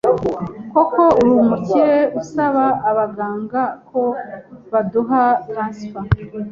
kuko ari umukire asaba abaganga ko baduha transfert